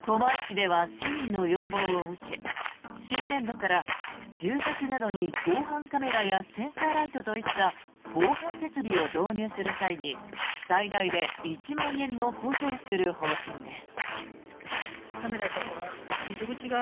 狛江市では市民の要望を受け新年度から住宅などに防犯カメラやセンサーライトといった防犯設備を導入する際に最大で１万円の補助をする方針です。